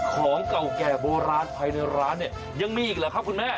ของเก่าแก่โบราณภายในร้านเนี่ยยังมีอีกเหรอครับคุณแม่